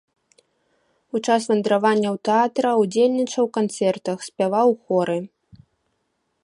У час вандраванняў тэатра ўдзельнічаў у канцэртах, спяваў у хоры.